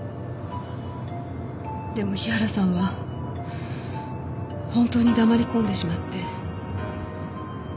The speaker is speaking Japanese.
でも日原さんは本当に黙り込んでしまって。